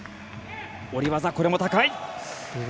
下り技、これも高い。